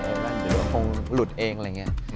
อีกวันเดี๋ยวมันคงหลุดเองอะไรเงี้ย